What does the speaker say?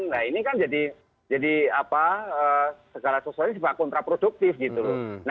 nah ini kan jadi segala sesuatunya juga kontraproduktif gitu loh